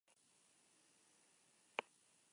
Begiradek olatuen gainean dantza egiten zuten.